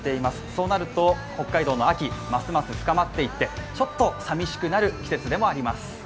そうなると北海道の秋ますます深まっていってちょっとさみしくなる季節でもあります。